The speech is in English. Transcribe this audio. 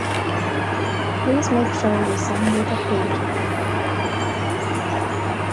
Please make sure you send me the page.